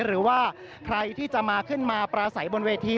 หรือว่าใครที่จะมาขึ้นมาปราศัยบนเวที